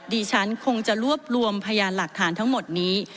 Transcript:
ดิฉันคงจะรวบรวมพยานหลักฐานทั้งหมดนี้